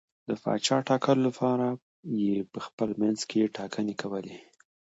د پاچا ټاکلو لپاره یې په خپل منځ کې ټاکنې کولې.